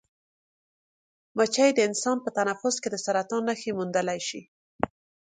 مچۍ د انسان په تنفس کې د سرطان نښې موندلی شي.